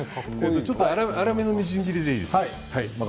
粗めのみじん切りです。